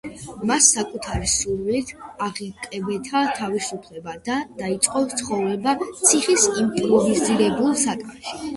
მან საკუთარი სურვილით აღიკვეთა თავისუფლება და დაიწყო ცხოვრება ციხის იმპროვიზებულ საკანში.